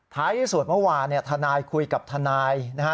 ที่สุดเมื่อวานทนายคุยกับทนายนะฮะ